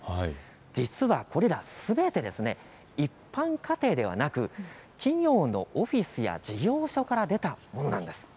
実は、これらすべて一般家庭ではなく企業のオフィスや事業所から出たものなんです。